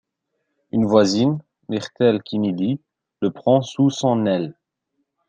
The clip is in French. Une voisine, Myrtle Kennedy, le prend sous son aile.